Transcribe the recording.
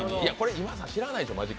今田さん、知らないでしょ。